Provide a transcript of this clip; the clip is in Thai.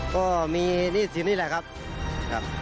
ก็มีหนี้สินนี่แหละครับ